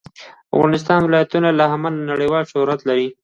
افغانستان د ولایتونو له امله نړیوال شهرت لري.